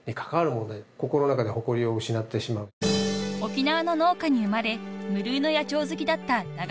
［沖縄の農家に生まれ無類の野鳥好きだった長嶺さん］